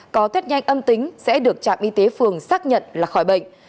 có tết nhanh âm tính sẽ được trạm y tế phường xác nhận là khỏi bệnh